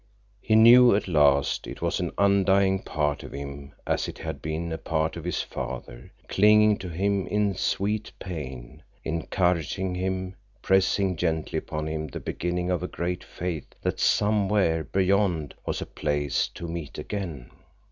He knew at last it was an undying part of him, as it had been a part of his father, clinging to him in sweet pain, encouraging him, pressing gently upon him the beginning of a great faith that somewhere beyond was a place to meet again.